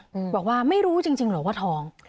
บอกว่าบอกว่าไม่รู้จริงหรือว่าท้อง